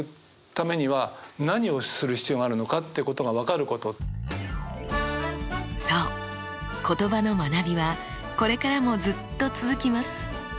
リンクしていてでそう言葉の学びはこれからもずっと続きます。